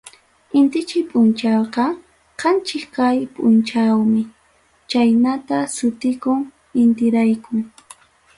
Intichay punchawqa qanchis kaq punchawmi, chaynata sutikun intiraykum.